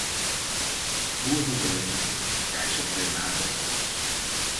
Rua do banho, caixa drenada.